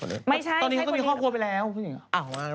ใครในอยากรู้